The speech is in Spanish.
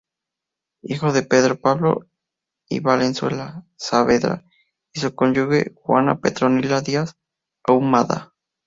Hijo de Pedro Pablo Valenzuela Saavedra y su cónyuge Juana Petronila Díaz Ahumada.